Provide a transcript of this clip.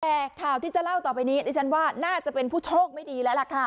แต่ข่าวที่จะเล่าต่อไปนี้ดิฉันว่าน่าจะเป็นผู้โชคไม่ดีแล้วล่ะค่ะ